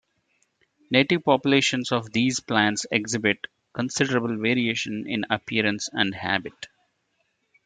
Native populations of these plants exhibit considerable variation in appearance and habit.